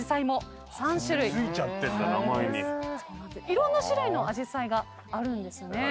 いろんな種類のあじさいがあるんですね。